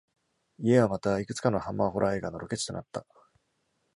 家はまた、いくつかのハンマーホラー映画のロケ地となった。